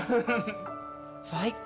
最高。